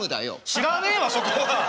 知らねえわそこは。